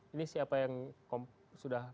ini siapa yang sudah